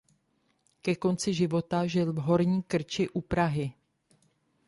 Ke konci života žil v Horní Krči u Prahy.